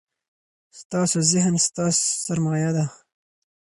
ستاسو ذهن ستاسو سرمایه ده.